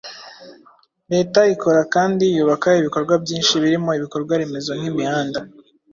Leta ikora kandi yubaka ibikorwa byinshi birimo ibikorwa remezo nk’imihanda,